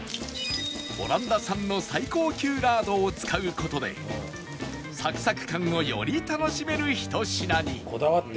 オランダ産の最高級ラードを使う事でサクサク感をより楽しめるひと品に